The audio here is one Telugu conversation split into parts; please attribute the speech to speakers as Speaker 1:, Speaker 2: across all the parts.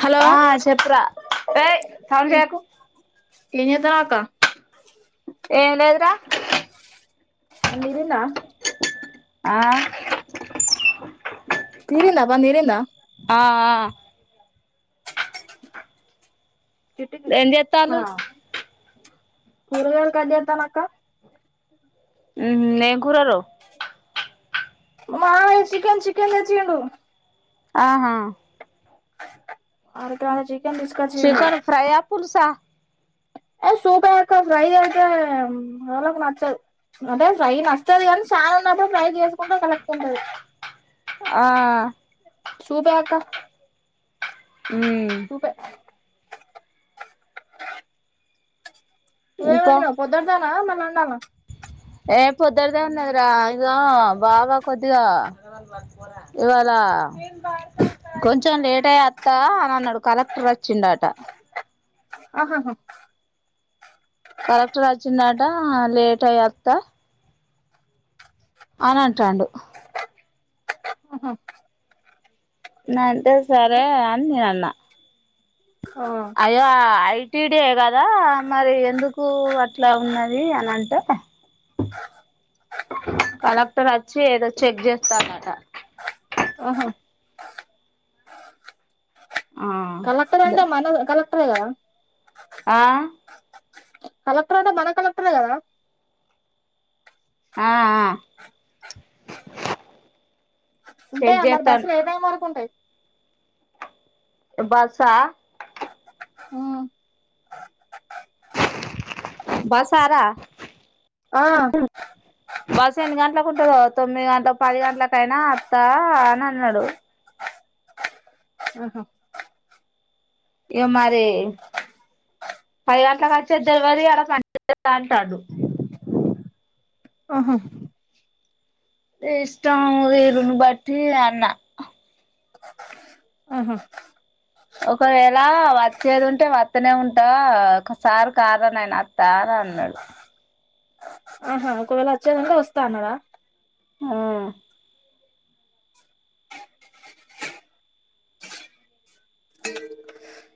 Speaker 1: హలో
Speaker 2: ఆ చెప్పురా ఏయ్ సౌండ్
Speaker 1: ఈ
Speaker 2: చేయకు
Speaker 1: ఇని అత్ర ఆకా
Speaker 2: ఏనదురా
Speaker 1: పని తీరిందా
Speaker 2: ఆ
Speaker 1: తీరింద బ నరిందా
Speaker 2: ఆ ఆ
Speaker 1: చిట్టికి
Speaker 2: ఎంత ఎత్తాల
Speaker 1: మురగలు క అడిత్తానక్క
Speaker 2: నఘరరు
Speaker 1: మా వ చికన్ చికెన్చ్చిడు
Speaker 2: ఆహా
Speaker 1: ఆరు కచ్చ
Speaker 2: చికెన్ ఫ్రై ఆ పులుసా
Speaker 1: ఏ సూప అక్క ఫ్రై చేతే వాళకి నచ్చదు అంటే ఫ్రై నచ్చది కాని చాల ఉన్నప్పుడు ఫ్రై చేసుకుంటూ కలక్కుంటది
Speaker 2: ఆ
Speaker 1: సూపనక్క
Speaker 2: హ్
Speaker 1: ఏం
Speaker 2: ఇంకా
Speaker 1: వండినావ్ పొద్దందేన అన్నం వండలనా
Speaker 2: ఏ పొద్దడ్ దే ఉన్నది రా ఇగో బావ కొద్దిగా ఇవాళ కొన్ కొంచెం లేట్ అయి అత్తా అని అన్నాడు కలెక్టర్ వచ్చిండట
Speaker 1: ఆహాహా
Speaker 2: కలెక్టర్ అచ్చిన్ నాడ్ టా లేట్ అయి అత్త అని అంటాండు
Speaker 1: ఆహ్ ఓ
Speaker 2: న అంతే సరే అని నేను అన్న
Speaker 1: ఆ
Speaker 2: అయ్యో ఐటి అదే కదా మరి ఎందుకు అట్లా ఉన్నది అని అంటే కలెక్టర్ వ వచ్చి ఏదో చెగ్ జేస్తాన్నట
Speaker 1: ఓహో
Speaker 2: ఆ
Speaker 1: కలెక్టర్ అంటే మన కలక్ క్టర్ కదా
Speaker 2: ఆ
Speaker 1: కలెక్టర్ అంటే మన కలెక్టరే గదా
Speaker 2: ఆహ్ ఆ
Speaker 1: ఉంటే
Speaker 2: చెక్
Speaker 1: మరి
Speaker 2: చేస్తాన్
Speaker 1: బస్సులు ఏ టైమ్ వరుకు ఉంటాయి.
Speaker 2: బస్ ఆ
Speaker 1: హు
Speaker 2: బసార
Speaker 1: ఆహా
Speaker 2: బస్సు ఎన్ని గంటలకు ఉంటందో తొమ్మిది గం గంట్లపది గంట్లాకైనా అత్తా అని అన్నాడు.
Speaker 1: అహో
Speaker 2: ఇగా మరీ పది గంట్ల కి వచ్ఛేది దెల్వదు యడా పని చెయ్యదు అంటాండు
Speaker 1: ఆహా
Speaker 2: ఎ ఇష్టం వేరును బట్టి న్నా
Speaker 1: ఆహ
Speaker 2: ఒకవేళ వచ్చేది ఉంటే వత్తనే ఉంటా ఒకసార్ కాదానాన రా రా అన్నది
Speaker 1: ఆహా ఒకవేళ వచ్చేదుంటే వస్తా అన్నావా
Speaker 2: ఆ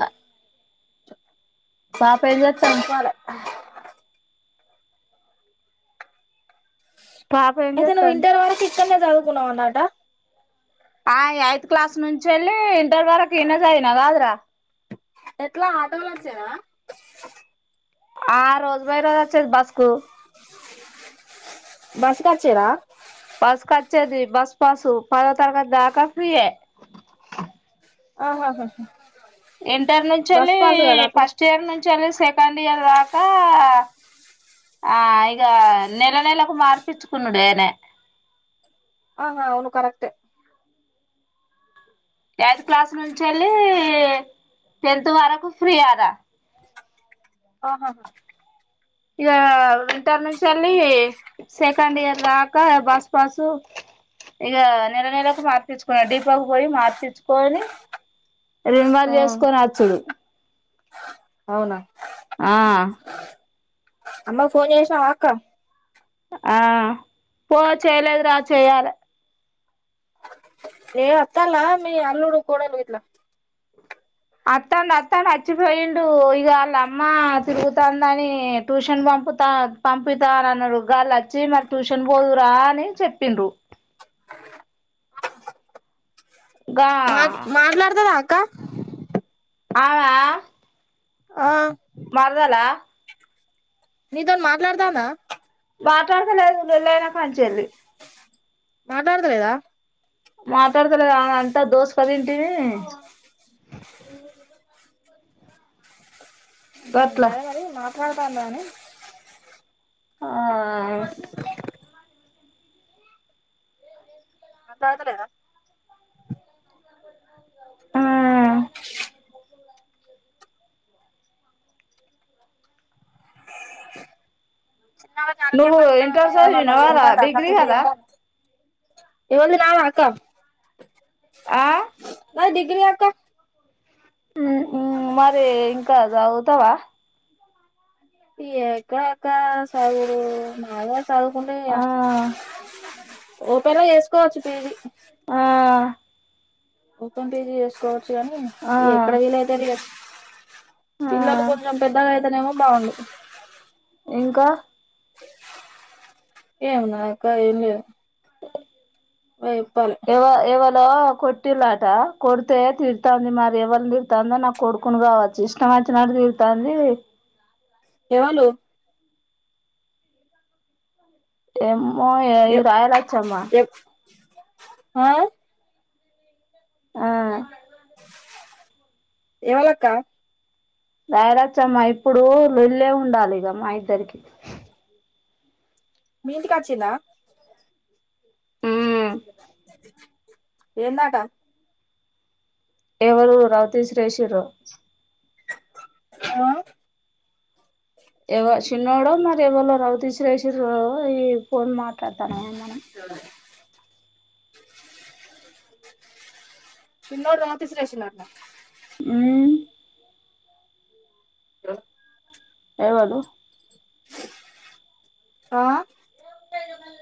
Speaker 2: ఆ పాప్ పె ఏం జేత్తంది పాపె ఎం జేత్తంది
Speaker 1: చదువుకున్నావ్ అన్నట్టా
Speaker 2: ఆ ఎయిత్ క్లాస్ నుంచేళ్ళి ఇంటర్ వరకు ఇన్నే చదివిన కాదురా
Speaker 1: ఎట్లా ఆటోలో వచ్చేదా
Speaker 2: ఆ రోజు బోయి రోజు అచ్చేది బస్కు
Speaker 1: బస్క్ అచ్చేదా
Speaker 2: బస్ కచ్చేది బస్ పాసు దో తరగతి దాకా ఫ్రీ ఎ
Speaker 1: ఆహాహాహా
Speaker 2: ఇంటర్ నుంచిళ్ళి
Speaker 1: అప్పుడు
Speaker 2: ఫస్ట్ ఇయర్ నుం నుంచిల్లి సెకండ్ ఇయర్ దాకా ఆ ఇగ నెల నెలకు మార్పిచ్చుకునుడేనయే
Speaker 1: ఆహా అవును కరెక్టే
Speaker 2: ఎయిత్ క్లాస్ నుంచేళ్ళి టెన్త్ వరకు ఫ్రీ అదా
Speaker 1: ఆహాహా
Speaker 2: ఇక వింటర్ నుంచి వెళ్ళలి సెకండ్ ఇయర్ దాక బసు పాసు ఇగ నెల నెలకు మార్పిచ్చుకున్ డిపో కు పోయి మార్పిచ్చుకొని రిన్వాల్
Speaker 1: ఆ
Speaker 2: చేసుకొని వచ్చుడు
Speaker 1: అవునా
Speaker 2: ఆ
Speaker 1: అమ్మ ఫోన్ చేసినవా అక్క
Speaker 2: ఆ ఒ చేయలేదు రా చేయ్యాలే
Speaker 1: ఏ అత్తాల్ల మీ అల్లుడు కోడలు గిట్ల
Speaker 2: అత్తండు అత్తండు అచ్చిపోయిండు ఇగ వాళ్ళ అమ్మ తిరుగుతందని ట్యూషన్ పంపుతా పంపితా అ అన్నారు గాళ్ళు వచ్చి మరి ట్యూషన్ పోదురా అని చెప్పిండ్రు గా
Speaker 1: మా మాట్లాడుతావా అ క్క
Speaker 2: ఆమా
Speaker 1: ఆ నీతోన్ మాట్లాడతందా
Speaker 2: మాట్లాడతలేదు లొల్లైన కాంచెల్లి
Speaker 1: మాట్లాడత లేదా
Speaker 2: మాట్లాడతలేదు ఆమెదంత దోస్ క దింటిమీ
Speaker 1: అహ
Speaker 2: గట్లా
Speaker 1: వేరై మా పోతండని
Speaker 2: ఆ
Speaker 1: మాట్లాడుతలేదా
Speaker 2: ఆ
Speaker 1: చిన్న ఆమెకి ఆరోగ్యం
Speaker 2: నువ్వు
Speaker 1: మంచిగ లేదట
Speaker 2: ఇంటర్
Speaker 1: మరి మంచిగ
Speaker 2: చదివినవారా
Speaker 1: ఉంటాంద మరి
Speaker 2: డిగ్రీ
Speaker 1: తిండి
Speaker 2: కదా
Speaker 1: తింటాదా ఎవలిది నావ అక్క
Speaker 2: ఆ
Speaker 1: మాద్ డిగ్రీ ఇయాక్క
Speaker 2: మరి ఇంకా సగుతావా
Speaker 1: ఎక్కక్క సగుడు నా సాదువుకుండా ఇగ
Speaker 2: ఆ
Speaker 1: ఒప్ పెళ్ల వేసుకోవచ్చు పిజీ
Speaker 2: ఆ
Speaker 1: ఓపెన్ పేజ్ చేసుకో చేసుకోవ్వచ్చు కాని
Speaker 2: ఆ
Speaker 1: ఎక్కడ వీలవుతుంది కదా
Speaker 2: ఆ
Speaker 1: పిల్లలు కొంచెం పెద్దగా అయితేనేమో బాగుండు
Speaker 2: ఇంకా
Speaker 1: ఏం నా క ఏంలేదు నువ్వేచెప్పాలా
Speaker 2: ఇలో కొట్టిలాట కొడితే తిడు తంది మరి ఎవరిని తిడుతందో నాకు కొడుకుని కావచ్చు ఇష్టం వచ్చినడు తిడుతంది
Speaker 1: ఎవలు
Speaker 2: ఏం మోయే ఈ
Speaker 1: ఎ-
Speaker 2: రాయలాచ్చమ్మా
Speaker 1: ఎ- ఆ
Speaker 2: ఆ
Speaker 1: ఎవళక్క
Speaker 2: రాయలాచ్చమ్మా ఏప్పుడు లొల్లే ఉండాలిగా మా ఇద్దరికి
Speaker 1: మీఇంటి కాచిందా
Speaker 2: ఉమ్
Speaker 1: ఏందాట
Speaker 2: ఎవరు రావత చేసింరో
Speaker 1: ఆ
Speaker 2: ఎవ చిన్నోడో మరి ఎవరో రవితి శ్రేసింరో ఈ ఫోన్ మాట్లాడతాను
Speaker 1: జులయ్ చిన్న రాతి ఈసిరేసిందాంట
Speaker 2: ఉహ్ ఎవడు
Speaker 1: ఆ
Speaker 2: పెరుగల్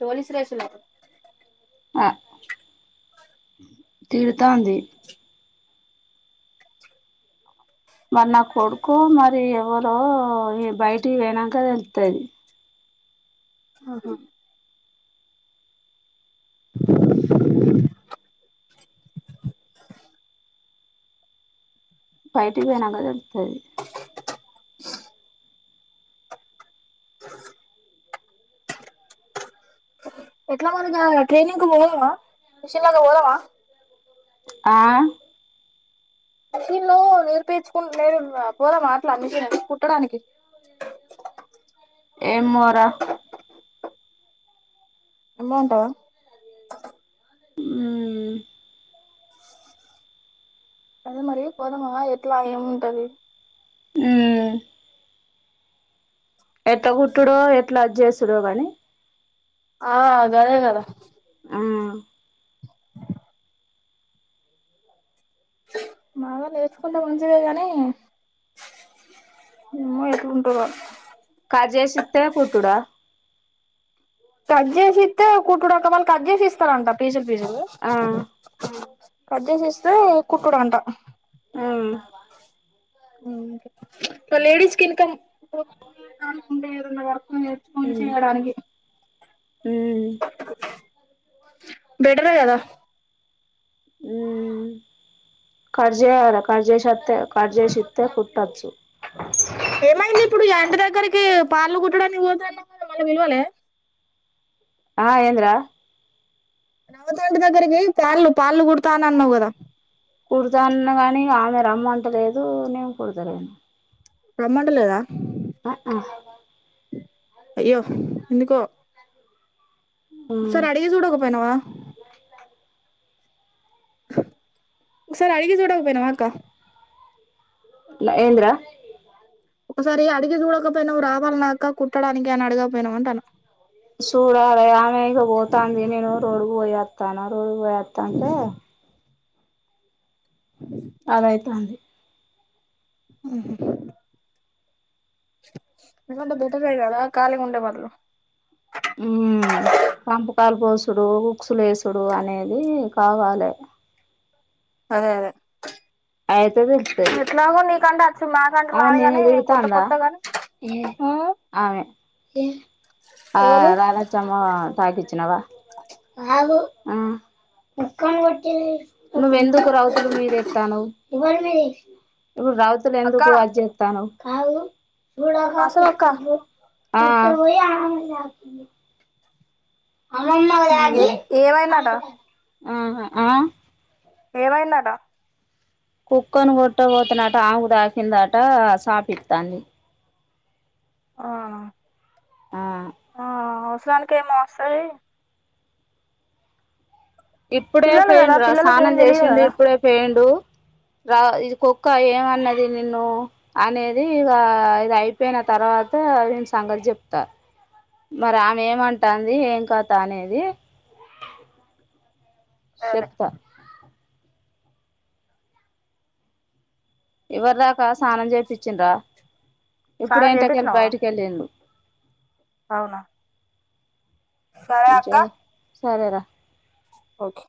Speaker 1: పోలీస్లేష లో
Speaker 2: ఆ తిరుతాంది మరి నా కొడుకొ మరి ఎవరో ఈ బయటికి పోయినంక తెలుత్తది
Speaker 1: ఆహా [inaudible]
Speaker 2: బయటికి పోయినంక తెలుత్తది
Speaker 1: ఎట్లా మరింగా ట్రెనింగ్ పోయావా మిషన్ లాగ పోదామా
Speaker 2: ఆ
Speaker 1: మిషిన్లు నిరుపేచుకుంట నేరు పోదామా అట్లా మిషను కుట్టడానికి
Speaker 2: ఏమోరా
Speaker 1: అమౌంట్ ఆ
Speaker 2: ఉమ్
Speaker 1: అది మరి పోదమా ఎట్లా ఏముంటది
Speaker 2: ఉమ్ ఎట్లా కుట్టుడో ఎట్లా అద్ చేసుడో కాని
Speaker 1: ఆ గదే గద
Speaker 2: మ్మ్
Speaker 1: బగా నేర్చుకుంటె మంచిదే గానీ మేమో ఎట్లుంటదొ
Speaker 2: కాజేసిత్తే కుట్టుడ
Speaker 1: కట్ చేసిత్తె కుట్డుడు ఒకవేళ కట్ చేసిస్తరంట పీసులు పీసులు
Speaker 2: ఆ
Speaker 1: కట్ చేసిస్తే కుట్టుడంట
Speaker 2: ఉమ్
Speaker 1: మ్మ్ లేడీస్ కి ఇన్కమ్ కాకుంటే ఏదనా వర్క్ నేర్చుకొని చేయడానికి
Speaker 2: ఉమ్
Speaker 1: బెటర్ గదా
Speaker 2: మ్మ్ కార్జేయాల కర్జేషత్త కర్జేసిత్తే కుుట్టచ్చు
Speaker 1: ఏమైంది ఇప్పుడు ఎంట దగ్గరకి పార్లు కుట్టడానికి పోత అన్నావ్ గదా వాళ్లు పిలవలే
Speaker 2: ఆ ఏంది రా
Speaker 1: రామాచారి ఇంటి దగ్గరికి పన్లు పాన్లు కుడతా అన అన్నావు కదా
Speaker 2: కుడతా అన్న గానీ ఇగ ఆమె రమ్మంటలేదు నేను కుడతలేను
Speaker 1: రమ్మంట లేదా
Speaker 2: అ ఆ
Speaker 1: అయ్యో ఎందుకో ఒకసారి అడిగి చూడకపోయినావా ఒకసారి అడిగి చూడకపోయినావా అక్క
Speaker 2: ఏంది రా
Speaker 1: ఒకసారి అడిగి చూడకపోయినావ రావాలన్నాక కుట్టడానికి అని అడగకపోయినావ అంటానా
Speaker 2: చూడాల ఆమె ఇగ పోతాంది నేను రోడ్ పోయత్తన రోజు పోయోత్తంటే అలా అయితాంది
Speaker 1: హ్మ్ హు ఎకంటే బెటరే కదా ఖాళీ గుండె బదులు
Speaker 2: మ్మ్ పంపకాలు పోసుడు ఉక్సు లేసుడు అనేది కావాలి
Speaker 1: అదే అదే
Speaker 2: అయితే తెల్తది
Speaker 1: ఎట్లాగో నీకంటే అచ్చు మాకంటే
Speaker 2: ఆమె
Speaker 1: రాదు
Speaker 2: నేను
Speaker 1: కానీ
Speaker 2: ఇది
Speaker 1: మేము
Speaker 2: ఇతా
Speaker 1: కొత్త
Speaker 2: అందా
Speaker 1: కొత్త గాని ఉమ్,
Speaker 2: ఆమె ఆ
Speaker 1: ఎవరు
Speaker 2: రాలచమ్మ తాకిచ్చినవా అం నువ్వెందుకు రౌతులు మీదెక్కుతానవ్ ఇప్పుడు రౌతులు
Speaker 1: అక్క
Speaker 2: ఎందుకు అది చేత్తానావ్ హాయి
Speaker 1: అసలు అక్క
Speaker 2: [unintelligible] ఆ
Speaker 1: ఏ
Speaker 2: ఊ
Speaker 1: ఏమైందట
Speaker 2: ఆహా ఆ
Speaker 1: ఏవైందట
Speaker 2: కుక్కను కొట్టబోతెనట ఆమెకు తాకిందట సాపిత్తాంది
Speaker 1: ఆ
Speaker 2: ఆ
Speaker 1: స్రానికేమి వస్తది
Speaker 2: ఇప్పుడే
Speaker 1: పిల్లలు కదా
Speaker 2: పోయిండు రా
Speaker 1: పిల్లలకి ఏం
Speaker 2: స్నానం
Speaker 1: తెలియదు
Speaker 2: చేసిండు
Speaker 1: కదా
Speaker 2: ఇప్పుడే పేయిండు రా ఇది కుక్క ఏమన్నది నిన్ను అనేది ఇక ఇది అయిపోయిన తర్వాత వీని సంగతి చెప్తా మరి ఆమె ఏం అంటాంది ఏం కత అనేది
Speaker 1: అదే
Speaker 2: షెప్తా ఇవర్ రా పా స్నానం చేపిచ్చిండ్రా ఇప్పుడే
Speaker 1: స్నానం
Speaker 2: ఇంట్లకెళ్ళి
Speaker 1: చేపించినావా
Speaker 2: బయటకెళ్ళిండు
Speaker 1: అవునా సరే
Speaker 2: ఏజ
Speaker 1: అక్క
Speaker 2: సరే రా
Speaker 1: ఓకే